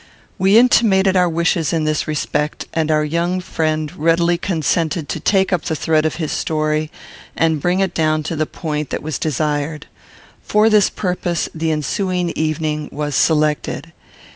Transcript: We intimated our wishes in this respect, and our young friend readily consented to take up the thread of his story and bring it down to the point that was desired. For this purpose, the ensuing evening was selected.